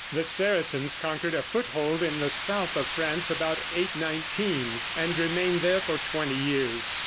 The Saracens conquered a foot hold in the south of France about 819, and remained there for twenty years.